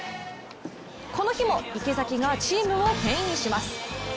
この日も池崎がチームをけん引します。